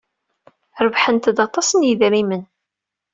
Rebḥent-d aṭas n yidrimen.